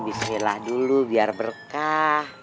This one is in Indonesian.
bismillah dulu biar berkah